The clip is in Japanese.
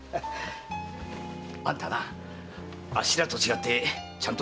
あんたはあっしらと違ってちゃんとした跡取りがいる。